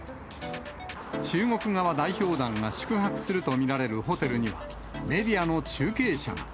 中国側代表団が宿泊すると見られるホテルには、メディアの中継車が。